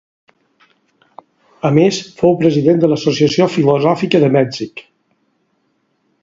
A més, fou president de l'Associació Filosòfica de Mèxic.